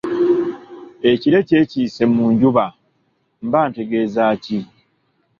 ‘Ekire kyekiise mu njuba’, mba ntegeeza ki?